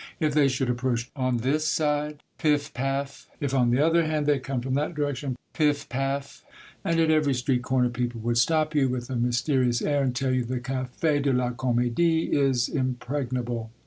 '' If they should approach on this side, piff ! paff! If, on the other hand, they come from that direction, piff! paff! " And at every street corner people would stop you with a myste rious air, and tell you, " The Cafi de la Com^die is impregnable